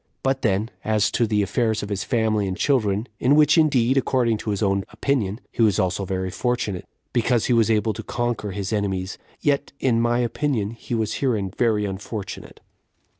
But then, as to the affairs of his family and children, in which indeed, according to his own opinion, he was also very fortunate, because he was able to conquer his enemies, yet, in my opinion, he was herein very unfortunate.